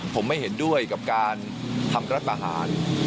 ผมไม่เห็นด้วยกับการทำรัฐประหาร